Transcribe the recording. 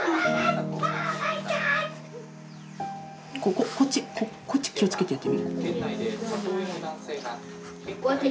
こここっち気を付けてやって。